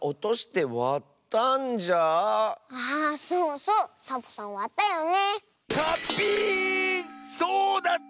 そうだった！